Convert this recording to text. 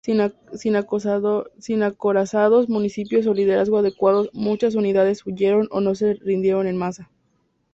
Sin acorazados, munición o liderazgo adecuados, muchas unidades huyeron o se rindieron en masa.